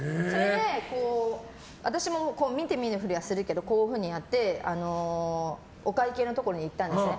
私も見て見ぬふりはするけどこういうふうにやってお会計のところに行ったんですね。